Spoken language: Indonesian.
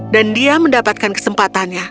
dan dia mendapatkan kesempatannya